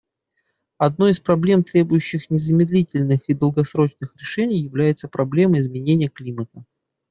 Одной из проблем, требующих незамедлительных и долгосрочных решений, является проблема изменения климата.